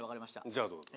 じゃあどうぞ。